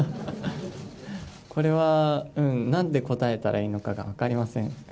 これはなんて答えたらいいのかが分かりません。